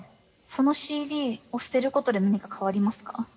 そのＣＤを捨てることで何か変わりますか？